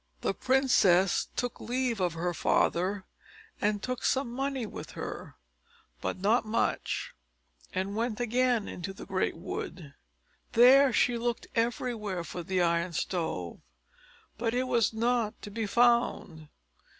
The princess took leave of her father, and took some money with her, but not much, and went again into the great wood. There she looked everywhere for the Iron Stove, but it was not to be found.